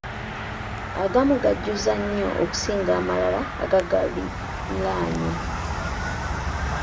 Agamu gajjuza nnyo okusinga amalala agagaliraanye.